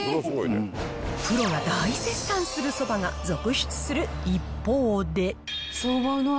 プロが大絶賛するそばが続出する一方で。